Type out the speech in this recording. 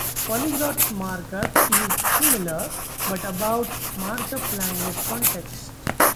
Polyglot markup is similar, but about markup language context.